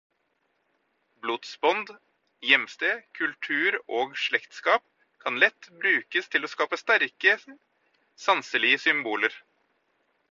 Blodsbånd, hjemsted, kultur og slektskap kan lett brukes til å skape sterke sanselige symboler.